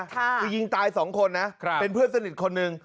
คือยิงตายสองคนนะเป็นเพื่อนสนิทคนหนึ่ง